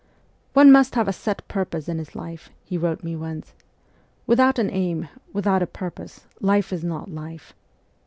' One must have a set purpose in his life,' he wrote me once. ' Without an aim, without a purpose, life is not life.'